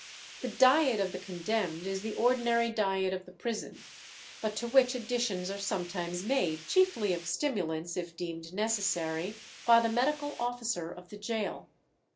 The diet of the condemned is the ordinary diet of the prison, but to which additions are sometimes made, chiefly of stimulants, if deemed necessary, by the medical officer of the gaol.